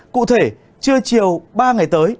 cụ thể trưa chiều ba ngày tới